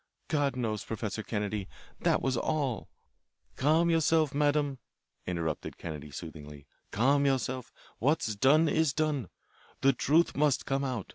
God knows, Professor Kennedy, that was all " "Calm yourself, madame," interrupted Kennedy soothingly. "Calm yourself. What's done is done. The truth must come out.